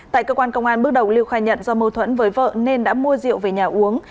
tại cơ quan công an bước đầu lưu khai nhận do mâu thuẫn với vợ nên đã mua rượu về nhà uống